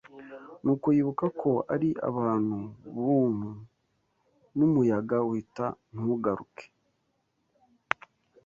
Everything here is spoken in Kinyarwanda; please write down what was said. Nuko yibuka ko ari abantu buntu, n’umuyaga uhita ntugaruke